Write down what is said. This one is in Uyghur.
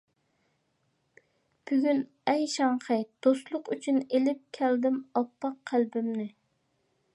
بۈگۈن ئەي شاڭخەي دوستلۇق ئۈچۈن ئېلىپ كەلدىم ئاپئاق قەلبىمنى.